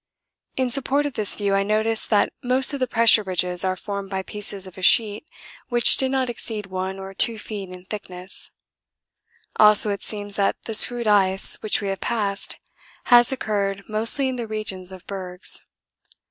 In support of this view I notice that most of the pressure ridges are formed by pieces of a sheet which did not exceed one or two feet in thickness also it seems that the screwed ice which we have passed has occurred mostly in the regions of bergs.